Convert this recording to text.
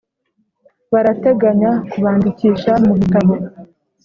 Barateganya kubandikisha mu bitabo.